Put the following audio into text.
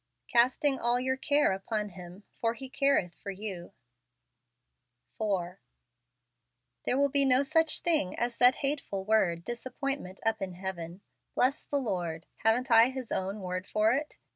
" Casting all your care upon him; for he careth for you." 1G FEBRUARY. 17 4. There will be no such thing as that hateful word " disappointment'' up in heaven, bless the Lord; haven't I His own word for it